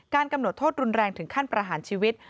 กำหนดโทษรุนแรงถึงขั้นประหารชีวิต